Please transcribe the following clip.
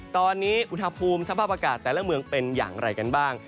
ตอนนี้อุณหภูมิสภาพอากาศแต่ละเมืองเป็นอย่างไรกันบ้าง